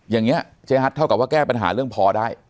อย่างนี้เจ๊ฮัทเท่ากับว่าแก้ปัญหาเรื่องพอได้